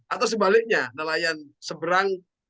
atau sebaliknya nelayan seberang